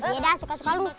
ya udah suka suka lu